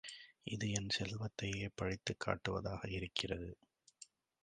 இது என் செல்வத்தையே பழித்துக் காட்டுவதாக இருக்கிறது.